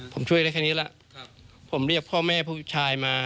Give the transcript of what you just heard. ผมช่วยได้แค่นี้ล่ะผมเรียกพ่อแม่พวกผู้ชายมา